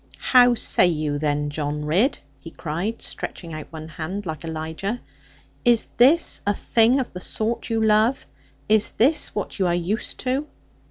'How say you then, John Ridd,' he cried, stretching out one hand, like Elijah; 'is this a thing of the sort you love? Is this what you are used to?'